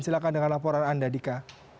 silahkan dengan laporan anda dika